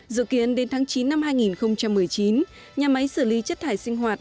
dự kiến đến tháng chín năm hai nghìn một mươi chín nhà máy xử lý chất thải sinh hoạt